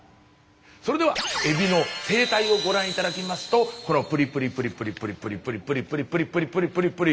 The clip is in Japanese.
それではエビの生態をご覧頂きますとこのプリプリプリプリプリプリプリプリプリプリプリプリプリプリ。